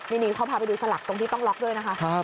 นี่เขาพาไปดูสลักตรงที่ต้องล็อกด้วยนะคะ